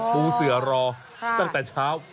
ปูเสือรอตั้งแต่เช้า